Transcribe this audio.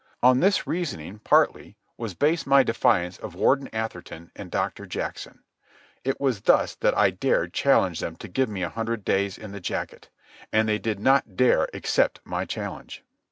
On this reasoning, partly, was based my defiance of Warden Atherton and Doctor Jackson. It was thus that I dared challenge them to give me a hundred days in the jacket. And they did not dare accept my challenge.